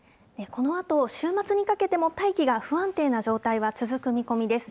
このあと、週末にかけても大気が不安定な状態は続く見込みです。